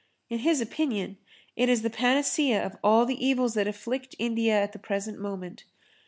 In his opinion it is the panacea of all the evils that afflict India at the present moment.